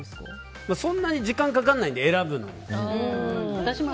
そんなに時間かからないんで選ぶのも。